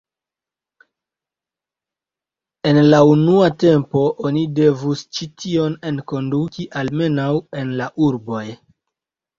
En la unua tempo oni devus ĉi tion enkonduki almenaŭ en la urboj.